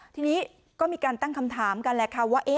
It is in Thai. ทีนี้ก็มีการตั้งคำถามกันแหละค่ะว่า